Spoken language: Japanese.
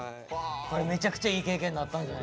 これめちゃくちゃいい経験になったんじゃないですかね。